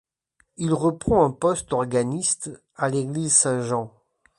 Il reprend un poste d'organiste, à l'église Saint-Jean.